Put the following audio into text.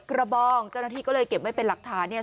กระบองเจ้าหน้าที่ก็เลยเก็บไว้เป็นหลักฐานเนี่ย